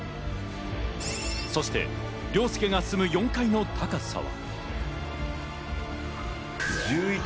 そして凌介が住む４階の高さは。